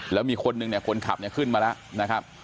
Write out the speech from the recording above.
แล้วมีคนนึงเนี่ยคนขับเนี่ยขึ้นมาแล้วนะครับ